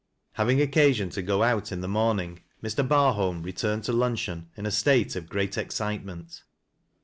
Having occasion to go out in the morning, Mr. Barhohii retm ned to luncheon in a state of great excitement.